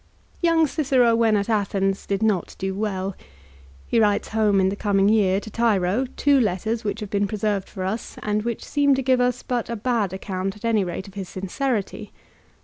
Young Cicero when at Athens did not do well. He writes home in the coming year, to Tiro, two letters which have been preserved for us, and which seem to give us but a bad account at any rate of his sincerity.